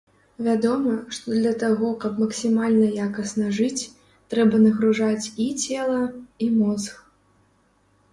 Вядома, што для таго, каб максімальна якасна жыць, трэба нагружаць і цела, і мозг.